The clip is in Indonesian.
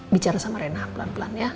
bicara sama reinhard pelan pelan ya